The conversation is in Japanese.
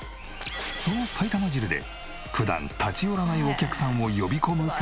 その埼玉汁で普段立ち寄らないお客さんを呼び込む作戦。